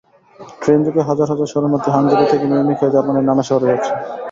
ট্রেনযোগে হাজার হাজার শরণার্থী হাঙ্গেরি থেকে মিউনিখ হয়ে জার্মানির নানা শহরে যাচ্ছে।